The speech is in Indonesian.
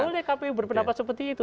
boleh kpu berpendapat seperti itu